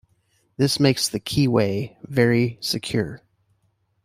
This makes the keyway very secure.